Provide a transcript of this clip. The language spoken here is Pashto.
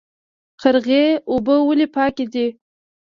قرغې اوبه ولې پاکې دي؟